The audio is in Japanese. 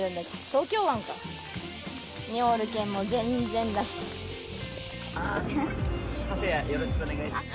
東京湾かにおるけんもう全然だしカフェよろしくお願いします